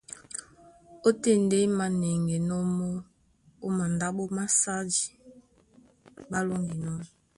Ótên ndé í mānɛŋgɛnɔ́ mɔ́ ó mandáɓo másadi ɓá lóŋginɔ́.